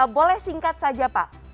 boleh singkat saja pak